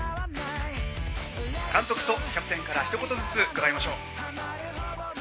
監督とキャプテンから一言ずつ伺いましょう。